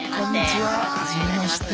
はじめまして。